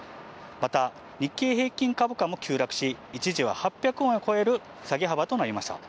また日経平均株価も急落し、一時は８００円を超える下げ幅となりました。